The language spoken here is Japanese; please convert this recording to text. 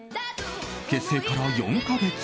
結成から４か月。